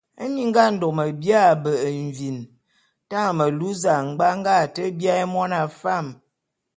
Minga a ndôme biaé a mbe’e mvin tañ melu zañbwa nge a te biaé mona fam.